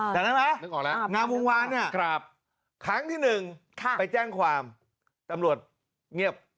อ๋อแต่นั่นมั้ยนางภูมิวานเนี่ยครั้งที่๑ไปแจ้งความตำรวจเงียบ